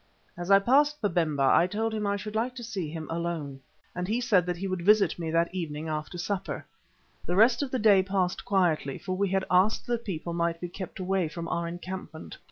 As I passed Babemba I told him that I should like to see him alone, and he said that he would visit me that evening after supper. The rest of the day passed quietly, for we had asked that people might be kept away from our encampment.